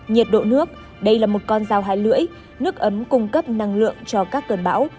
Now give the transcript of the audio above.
nhiệt độ nước đây là một con dao hai lưỡi nước ấm cung cấp năng lượng cho các cơn bão